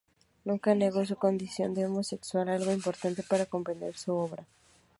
Nunca negó su condición de homosexual, algo importante para comprender su obra.